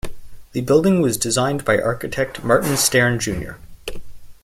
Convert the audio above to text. The building was designed by architect Martin Stern, J.